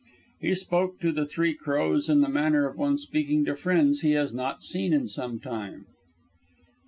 He spoke to the Three Crows in the manner of one speaking to friends he has not seen in some time.